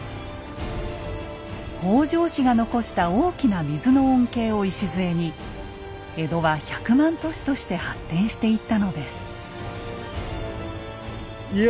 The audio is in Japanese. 北条氏が残した大きな水の恩恵を礎に江戸は百万都市として発展していったのです。